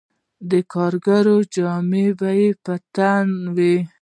د کاریګرو جامې به یې تن وې